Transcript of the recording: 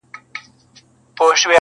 ستا د سونډو په ساغر کي را ايسار دی~